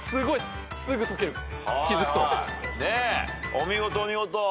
お見事お見事。